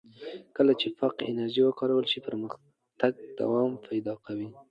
کله چې پاکه انرژي وکارول شي، پرمختګ دوام پیدا کوي.